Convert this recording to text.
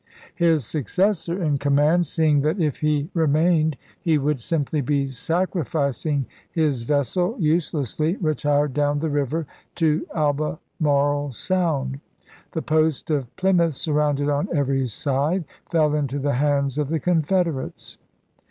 His successor in command seeing that if he remained he would simply be sacrificing his vessel uselessly, retired down the river to Albemarle Sound. The post of Plymouth, surrounded on every side, fell into the hands of the Confederates.